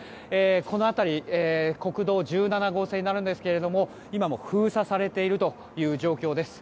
この辺り、国道１７号線になるんですけれども今も封鎖されているという状況です。